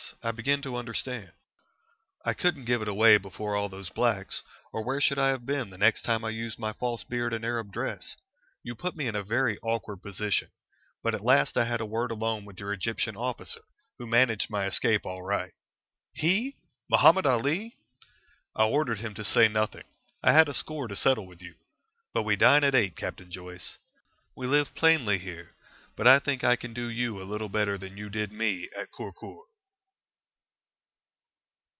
I begin to understand." "I couldn't give it away before all those blacks, or where should I have been the next time I used my false beard and Arab dress? You put me in a very awkward position. But at last I had a word alone with your Egyptian officer, who managed my escape all right." "He! Mahomet Ali!" "I ordered him to say nothing. I had a score to settle with you. But we dine at eight, Captain Joyce. We live plainly here, but I think I can do you a little better than you did me at Kurkur."